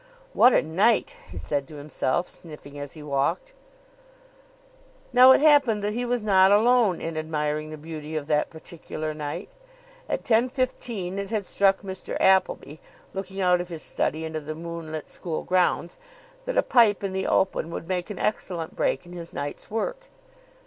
"What a night!" he said to himself, sniffing as he walked. Now it happened that he was not alone in admiring the beauty of that particular night. At ten fifteen it had struck Mr. Appleby, looking out of his study into the moonlit school grounds, that a pipe in the open would make an excellent break in his night's work.